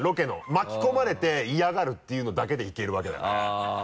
巻き込まれて嫌がるっていうのだけでいけるわけだから。